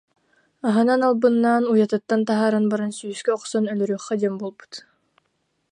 Аһынан албыннаан уйатыттан таһааран баран сүүскэ охсон өлөрүөххэ диэн буолбут